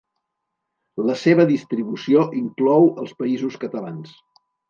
La seva distribució inclou els Països Catalans.